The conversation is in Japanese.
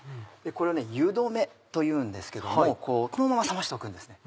これ湯止めというんですけどもこのまま冷ましとくんですね。